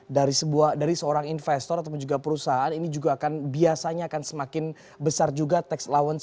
dari seorang investor atau perusahaan biasanya akan semakin besar juga tax allowance